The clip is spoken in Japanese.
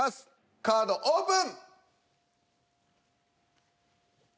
カードオープン！